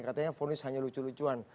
katanya fonis hanya lucu lucuan